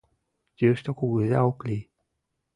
Йӱштӧ кугыза ок лий.